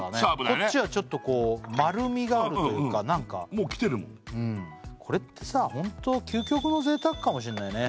こっちはちょっとこう丸みがあるというか何かもうきてるもんうんこれってさホントかもしんないね